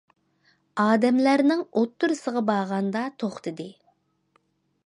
ئادەملەرنىڭ ئوتتۇرىسىغا بارغاندا توختىدى.